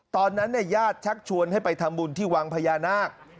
ตอนนั้นญาติชักชวนให้ไปทำบุญที่วังพญานาค